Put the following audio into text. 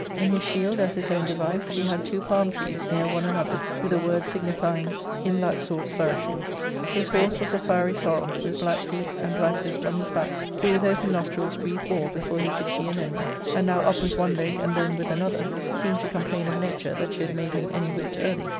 In his shield, as his own device, he had two palm trees near one another, with a word signifying, " In that sort flourishing." His horse was of fiery sorrel, with black feet, £ind black list on his back, who with open nostrils breathed war before he could see an enemy ; and now up with one leg, and then with another, seemed to complain of nature that she had made him any whit earthy.